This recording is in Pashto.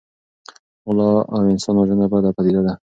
غلا او انسان وژنه بده پدیده ده.